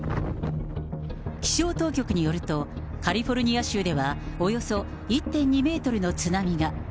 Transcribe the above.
気象当局によると、カリフォルニア州ではおよそ１．２メートルの津波が。